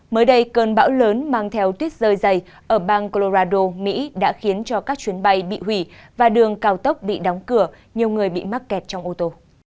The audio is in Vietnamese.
mới đây cơn bão lớn mang theo tuyết rơi dày ở bang colorado mỹ đã khiến cho các chuyến bay bị hủy và đường cao tốc bị đóng cửa nhiều người bị mắc kẹt trong ô tô